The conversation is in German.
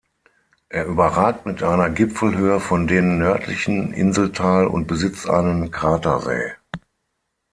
Er überragt mit einer Gipfelhöhe von den nördlichen Inselteil und besitzt einen Kratersee.